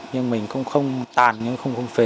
nhưng mình cũng không tàn nhưng cũng không phế